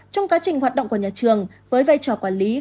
còn nhà trường với vai trò quản lý